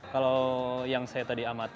kalau yang saya tadi amati